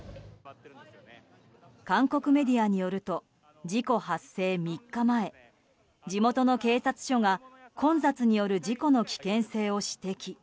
韓国メディアによると事故発生３日前地元の警察署が混雑による事故の危険性を指摘。